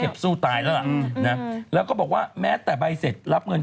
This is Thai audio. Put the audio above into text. สู้ตายแล้วล่ะนะแล้วก็บอกว่าแม้แต่ใบเสร็จรับเงิน